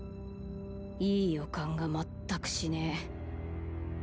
いい予感が全くしねぇ。